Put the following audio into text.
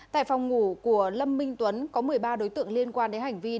tại phòng ngủ của lâm minh tuấn có một mươi ba đối tượng liên quan đến hành vi đánh bài ăn tiền